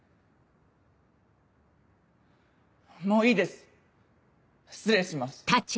もういいです失礼します。